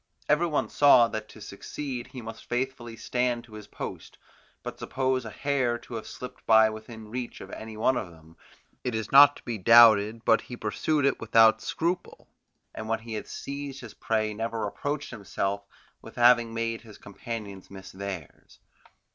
Every one saw that to succeed he must faithfully stand to his post; but suppose a hare to have slipped by within reach of any one of them, it is not to be doubted but he pursued it without scruple, and when he had seized his prey never reproached himself with having made his companions miss theirs.